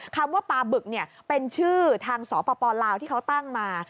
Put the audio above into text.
คำว่าปลาบึกเป็นชื่อทางสปลาวที่เขาตั้งมา